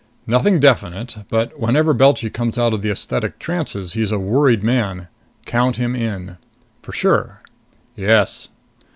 "Nothing definite. But whenever Belchy comes out of the esthetic trances, he's a worried man. Count him in." "For sure?" "Yes."